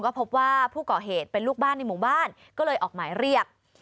ก็พบว่าผู้ก่อเหตุเป็นลูกบ้านในหมู่บ้านก็เลยออกหมายเรียก